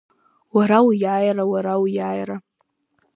Уара уиааира, уара уиааира…